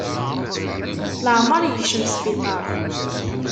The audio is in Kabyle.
Leεmeṛ yekcem sbiṭar.